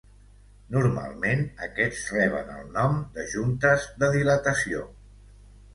Normalment, aquests reben el nom de juntes de dilatació.